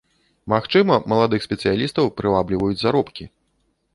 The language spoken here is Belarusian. Магчыма, маладых спецыялістаў прывабліваюць заробкі.